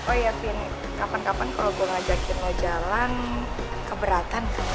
oh iya fin kapan kapan kalau gue ngajakin mau jalan keberatan